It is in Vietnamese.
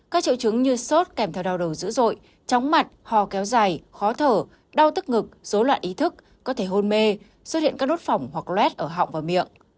các triệu chứng như sốt kèm theo đau đầu dữ dội chóng mặt hò kéo dài khó thở đau tức ngực dối loạn ý thức có thể hôn mê xuất hiện các nốt phỏng hoặc lét ở họng và miệng